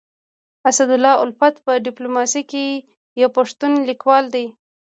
اسدالله الفت په ډيپلوماسي کي يو پښتون ليکوال دی.